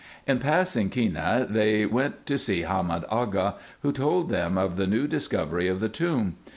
In passing Kenneh they went to see Hamed Aga, who told them of the new discovery of the tomb.